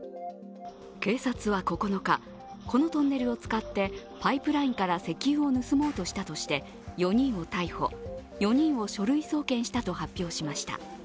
警察は９日、このトンネルを使ってパイプラインから石油を盗もうとしたとして４人を逮捕、４人を書類送検したと発表しました